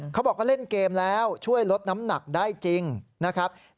เขาบอกว่าเล่นเกมแล้วช่วยลดน้ำหนักได้จริงนะครับ